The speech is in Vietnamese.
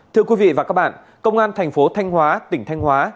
thưa quý vị và các bạn công an tp thanh hóa tỉnh thanh hóa